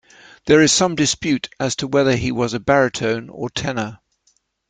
There is some dispute as to whether he was a baritone or tenor.